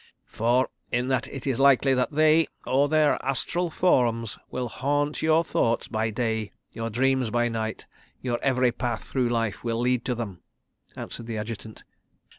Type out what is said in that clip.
"For in that it is likely that they, or their astral forms, will haunt your thoughts by day, your dreams by night. Your every path through life will lead to them," answered the Adjutant.